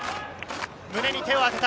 胸に手を当てた。